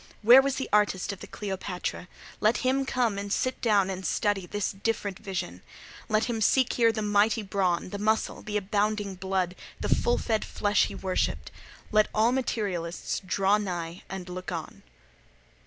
Where was the artist of the Cleopatra? Let him come and sit down and study this different vision. Let him seek here the mighty brawn, the muscle, the abounding blood, the full fed flesh he worshipped: let all materialists draw nigh and look on.